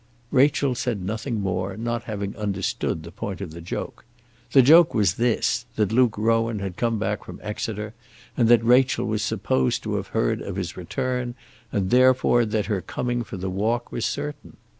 Rachel said nothing more, not having understood the point of the joke. The joke was this, that Luke Rowan had come back from Exeter, and that Rachel was supposed to have heard of his return, and therefore that her coming for the walk was certain.